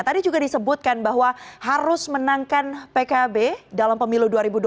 tadi juga disebutkan bahwa harus menangkan pkb dalam pemilu dua ribu dua puluh